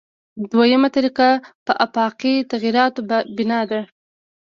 دویمه طریقه په آفاقي تغییراتو بنا ده.